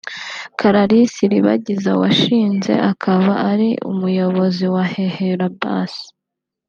Clarisse Iribagiza washinze akaba ari n’umuyobozi wa HeHe Labs